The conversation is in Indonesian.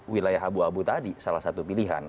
wilayah abu abu tadi salah satu pilihan